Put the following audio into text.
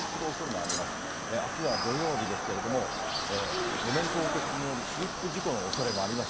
あすは土曜日ですけれども、路面凍結によるスリップ事故のおそれもあります。